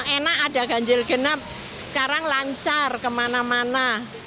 enak ada ganjil genap sekarang lancar kemana mana